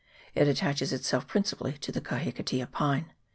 It attaches itself prin cipally to the kahikatea pine.